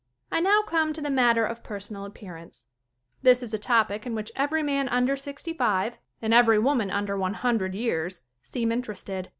I now come to the matter of personal ap pearance. This is a topic in which every man under 65, and every woman under 100 vears seem interested.